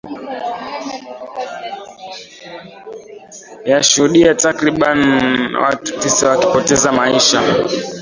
yashuhudia takriban watu tisa wakipoteza maisha